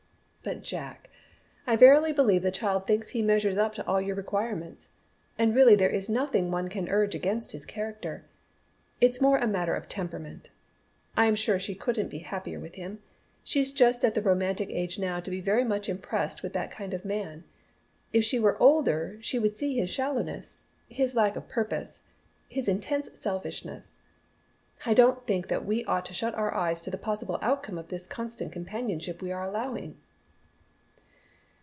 "But Jack, I verily believe the child thinks he measures up to all your requirements. And really there is nothing one can urge against his character. It's more a matter of temperament. I am sure she couldn't be happy with him. She's just at the romantic age now to be very much impressed with that kind of a man. If she were older she would see his shallowness his lack of purpose, his intense selfishness. I don't think that we ought to shut our eyes to the possible outcome of this constant companionship we are allowing."